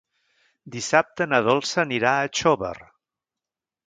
Dissabte na Dolça anirà a Xóvar.